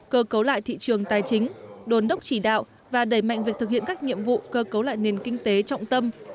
cơ cấu lại thị trường tài chính đồn đốc chỉ đạo và đẩy mạnh việc thực hiện các nhiệm vụ cơ cấu lại nền kinh tế trọng tâm